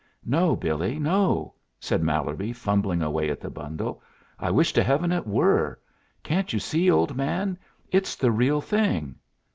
"No, Billie, no," said Mallerby, fumbling away at the bundle. "I wish to Heaven it were. Can't you see, old man it's the real thing!"